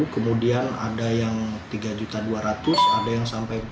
kemudian ada yang rp tiga dua ratus ada yang sampai